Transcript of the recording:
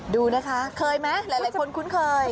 ดูนะคะเคยไหมหลายคนคุ้นเคย